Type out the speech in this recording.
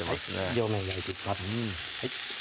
両面焼いていきます